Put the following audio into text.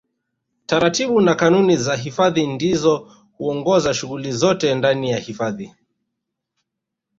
Taratibu na kanuni za hifadhi ndizo huongoza shughuli zote ndani ya hifadhi